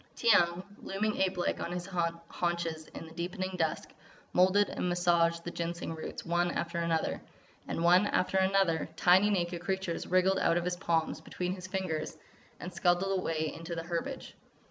Tiyang, looming ape like on his haunches in the deepening dusk, moulded and massaged the Ginseng roots, one after another. And one after another, tiny naked creatures wriggled out of his palms between his fingers and scuttled away into the herbage.